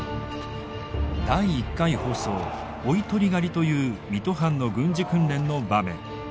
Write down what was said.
第１回放送追鳥狩という水戸藩の軍事訓練の場面。